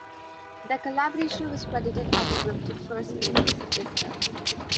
Their collaboration was credited as a group to "First Ladies of Disco".